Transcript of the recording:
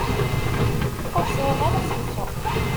Ur sɛiɣ ara aselsu.